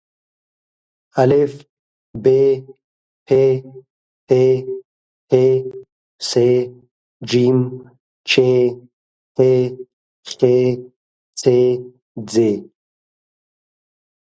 ا ب پ ت ټ ث ج چ ح خ څ ځ